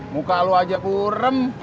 muka lu aja burem